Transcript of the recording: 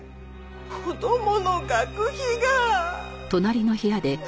子供の学費が！